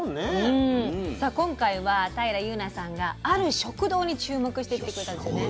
さあ今回は平祐奈さんがある食堂に注目してきてくれたんですよね。